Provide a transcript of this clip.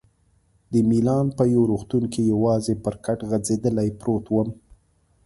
د میلان په یو روغتون کې یوازې پر کټ غځېدلی پروت وم.